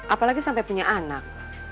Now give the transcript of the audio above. apalagi sampai punya anak